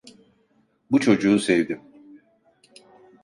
Bu çocuğu sevdim.